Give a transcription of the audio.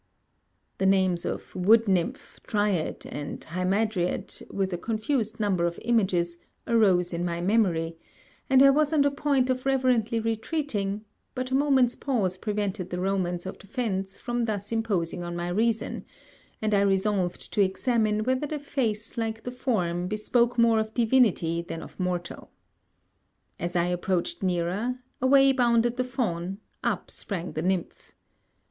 The names of Wood Nymph, Dryad and Hymadriad, with a confused number of images, arose in my memory; and I was on the point of reverently retreating, but a moment's pause prevented the romance of the fence from thus imposing on my reason, and I resolved to examine whether the face like the form bespoke more of divinity than of mortal. As I approached nearer, away bounded the fawn up sprang the nymph.